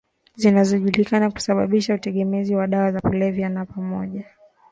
zinazojulikana kusababisha utegemezi wa dawa za kulevya ni pamoja